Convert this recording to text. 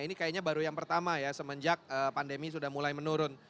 ini kayaknya baru yang pertama ya semenjak pandemi sudah mulai menurun